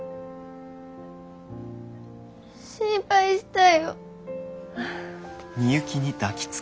心配したよ。